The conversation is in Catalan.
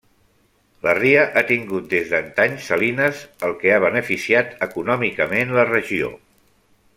La ria ha tingut des d'antany salines el que ha beneficiat econòmicament la regió.